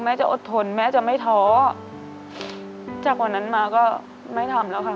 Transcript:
จะอดทนแม่จะไม่ท้อจากวันนั้นมาก็ไม่ทำแล้วค่ะ